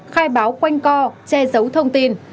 khai báo quanh co che giấu thông tin